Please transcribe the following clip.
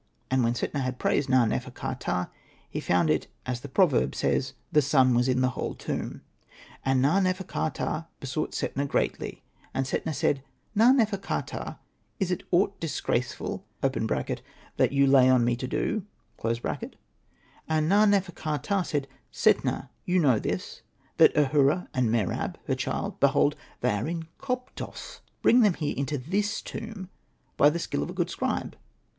And when Setna had praised Na.nefer.ka.ptah, he found it as the proverb says, *' The sun was in the whole tomb." And Ahura and Na. nefer.ka.ptah besought Setna greatly. And Setna said, '' Na.nefer.ka.ptah, is it aught disgraceful (that you lay on me to do) ?" And Na.nefer.ka.ptah said, ''Setna, you know this, that Ahura and Mer ab, her child, behold ! they are in Koptos ; bring them here into this tomb, by the skill of a good scribe.